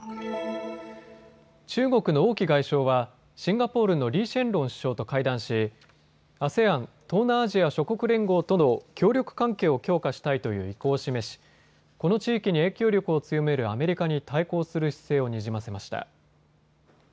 中国の王毅外相はシンガポールのリー・シェンロン首相と会談しＡＳＥＡＮ・東南アジア諸国連合との協力関係を強化したいという意向を示しこの地域に影響力を強めるアメリカに対抗する姿勢をにじませました。